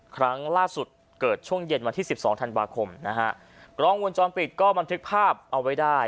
ครั้งล่าสุดเกิดช่วงเย็นวันที่สิบสองธันวาคมนะฮะกล้องวงจรปิดก็บันทึกภาพเอาไว้ได้